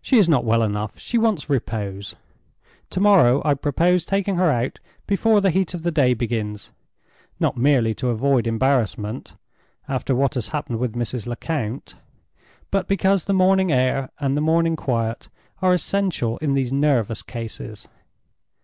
"She is not well enough; she wants repose. To morrow I propose taking her out before the heat of the day begins—not merely to avoid embarrassment, after what has happened with Mrs. Lecount, but because the morning air and the morning quiet are essential in these nervous cases.